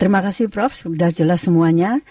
terima kasih prof sudah jelas semuanya